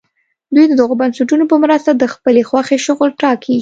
دوی د دغو بنسټونو په مرسته د خپلې خوښې شغل ټاکي.